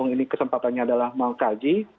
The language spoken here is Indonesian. ini kesempatannya adalah mau kaji